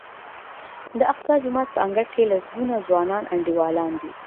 د اقصی جومات په انګړ کې لسګونه ځوانان انډیوالان دي.